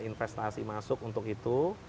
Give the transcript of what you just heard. investasi masuk untuk itu